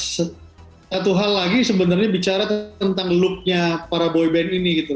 satu hal lagi sebenarnya bicara tentang look nya para boy band ini gitu